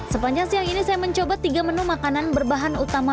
sepanjang siang ini saya mencoba tiga menu makanan yang lebih enak